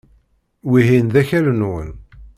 Wihin d akal-nwen.